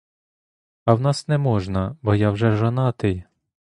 А в нас не можна, бо я вже жонатий!